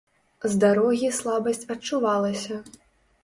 З дарогі слабасць адчувалася.